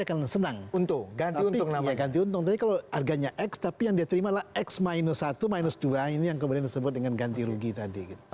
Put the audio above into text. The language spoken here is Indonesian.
harganya x tapi yang diterima adalah x satu dua ini yang kemudian disebut dengan ganti rugi tadi